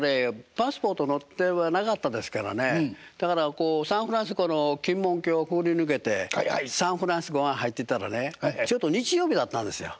パスポート取ってはなかったですからねだからこうサンフランシスコの金門橋をくぐり抜けてサンフランシスコ湾へ入っていったらねちょうど日曜日だったんですよ。